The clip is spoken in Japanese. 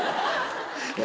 え